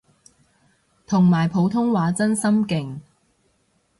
同埋普通話真心勁